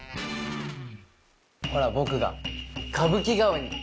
ほら僕が歌舞伎顔に！